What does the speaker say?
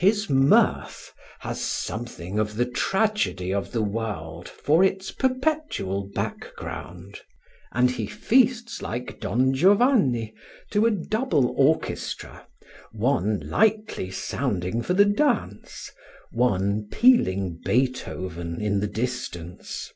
His mirth has something of the tragedy of the world for its perpetual background; and he feasts like Don Giovanni to a double orchestra, one lightly sounding for the dance, one pealing Beethoven in the distance.